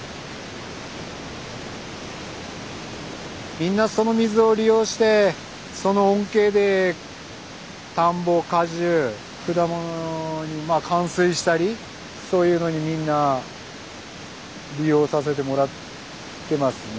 みんなその水を利用してその恩恵で田んぼ果樹果物にまあ灌水したりそういうのにみんな利用させてもらってますね。